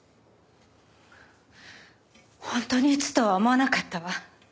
本当に撃つとは思わなかったわ。